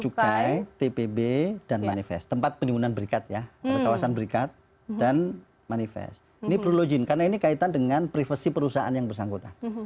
cukai tpb dan manifest tempat penimbunan berikat ya kawasan berikat dan manifest ini perlu login karena ini kaitan dengan privasi perusahaan yang bersangkutan